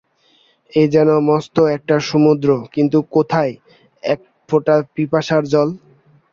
এ যেন মস্ত একটা সমুদ্র কিন্তু কোথায় একফোঁটা পিপাসার জল?